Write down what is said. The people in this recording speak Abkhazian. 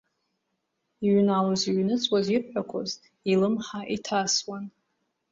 Иҩналоз-иҩныҵуаз ирҳәақәоз илымҳа иҭасуан.